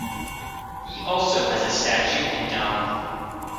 He also has a statue in Damme.